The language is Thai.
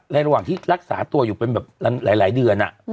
ระหว่างที่รักษาตัวอยู่เป็นแบบหลายเดือน